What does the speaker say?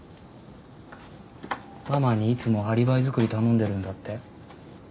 ママにいつもアリバイづくり頼んでるんだって？